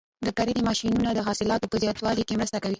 د کرنې ماشینونه د حاصلاتو په زیاتوالي کې مرسته کوي.